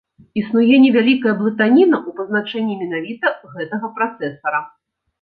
Існуе невялікая блытаніна ў пазначэнні менавіта гэтага працэсара.